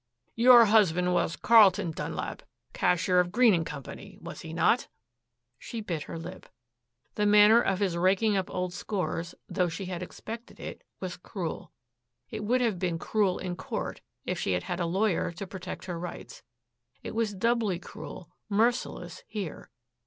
"Your husband was Carlton Dunlap, cashier of Green & Company, was he not?" She bit her lip. The manner of his raking up of old scores, though she had expected it, was cruel. It would have been cruel in court, if she had had a lawyer to protect her rights. It was doubly cruel, merciless, here.